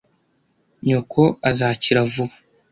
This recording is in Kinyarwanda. Nyoko azakira vuba.